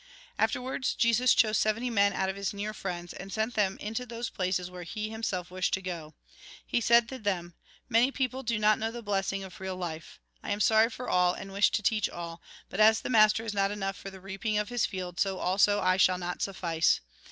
Afterwards, Jesus chose seventy men out of Ms near friends, and sent them into those places where he himself wished to go. He said to them :" Many people do not know the blessing of real life. I am sorry for all ; and wish to teach all. But as the master is not enough for the reaping of his field, so also I shall not sufiice.